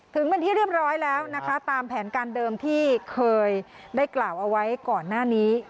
ถึงเป็นที่เรียบร้อยแล้วนะคะตามแผนการเดิมที่เคยได้กล่าวเอาไว้ก่อนหน้านี้